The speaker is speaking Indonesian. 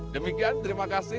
demikian terima kasih